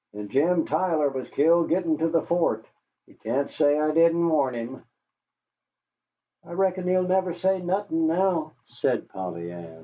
"And Jim Tyler was killed gittin' to the fort. He can't say I didn't warn him." "I reckon he'll never say nuthin', now," said Polly Ann.